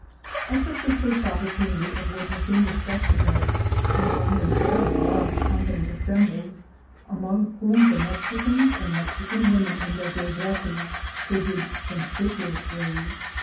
I took the first opportunity of witnessing the spec tacle, and found a very large company assembled, among whom the Mexicans and Mexican women in their gay dresses figured conspicuously.